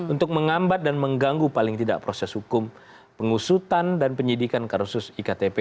untuk menghambat dan mengganggu paling tidak proses hukum pengusutan dan penyidikan kasus iktp